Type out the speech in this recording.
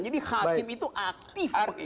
jadi hakim itu aktif mengingatkan